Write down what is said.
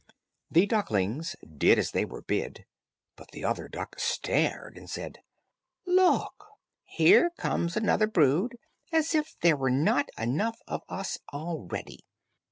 '" The ducklings did as they were bid, but the other duck stared, and said, "Look, here comes another brood, as if there were not enough of us already!